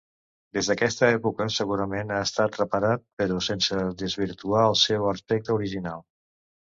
Des d'aquesta època segurament ha estat reparat però sense desvirtuar el seu aspecte original.